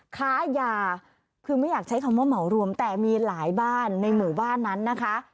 ค้ายาคือไม่อยากใช้คำว่าเหมารวมแต่มีหลายบ้านในหมู่บ้านนั้นนะคะ